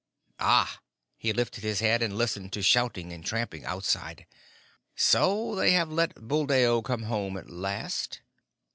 Ah!" he lifted his head and listened to shouting and trampling outside. "So they have let Buldeo come home at last?"